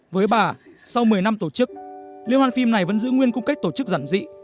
với bà sau một mươi năm tổ chức liên hoan phim này vẫn giữ nguyên cung cách tổ chức giản dị